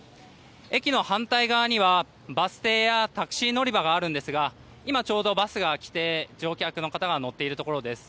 駅の反対側にはバス停やタクシー乗り場がありますが今ちょうどバスが来て乗客の方が乗っているところです。